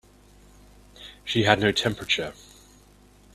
She had no temperature.